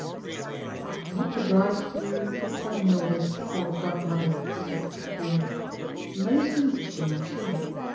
"I'm much obliged to you for telling me all this, Court Godmother," she said, at the end; "most interesting, I'm sure.